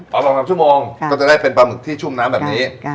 ก็จะได้เป็นปลาหมึกที่ชุ่มน้ำแบบนี้